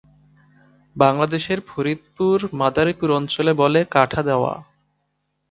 বাংলাদেশের ফরিদপুর-মাদারীপুর অঞ্চলে বলে কাঠা দেয়া।